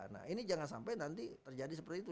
nah ini jangan sampai nanti terjadi seperti itu